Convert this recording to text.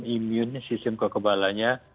imun sistem kekebalannya